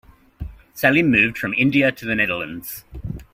Salim moved from India to the Netherlands.